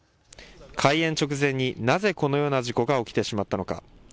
開園直前になぜこのような事故が起きてしまったのか。